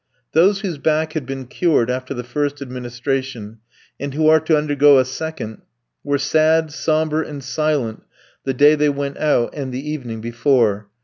Those whose back had been cured after the first administration, and who are to undergo a second, were sad, sombre and silent the day they went out, and the evening before.